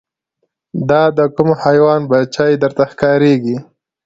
دا د کوم حیوان بچی درته ښکاریږي